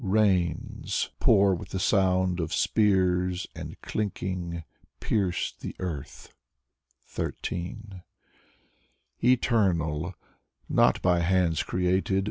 Rains Pour with the sound of spears And, clinking. Pierce the earth. Eternal, Not by hands created.